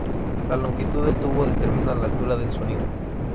La longitud del tubo determina la altura del sonido.